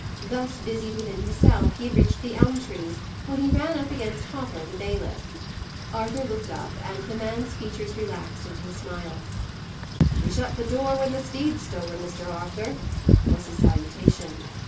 Thus busied within himself, he had reached the elm trees, when he ran up against Hopper, the bailiff. Arthur looked up, and the man's features relaxed into a smile. "We shut the door when the steed's stolen, Mr. Arthur," was his salutation.